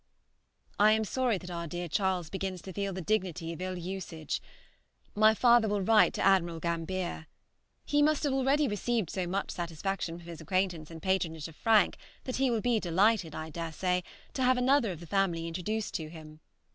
I am sorry that our dear Charles begins to feel the dignity of ill usage. My father will write to Admiral Gambier. He must have already received so much satisfaction from his acquaintance and patronage of Frank, that he will be delighted, I dare say, to have another of the family introduced to him.